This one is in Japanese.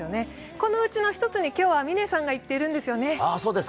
このうちの１つに今日は嶺さんが行っているんですよね。